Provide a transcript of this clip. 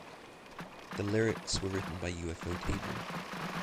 The lyrics were written by ufotable.